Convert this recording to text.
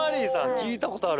聞いたことある。